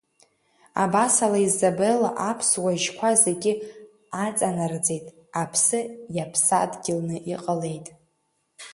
Абасала, Изабелла аԥсуа жьқәа зегьы аҵанарӡит, Аԥсны иаԥсадгьылны иҟалеит.